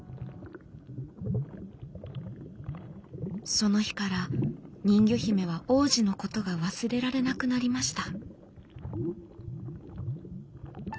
その日から人魚姫は王子のことが忘れられなくなりました。